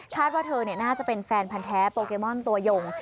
ว่าเธอน่าจะเป็นแฟนพันธ์แท้โปเกมอนตัวยง